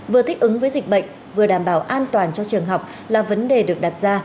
vừa thích ứng với dịch bệnh vừa đảm bảo an toàn cho trường học là vấn đề được đặt ra